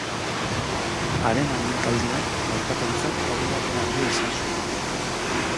Haren agintaldian merkataritzak aurrerapen handia izan zuen.